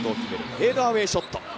フェードアウェーショット。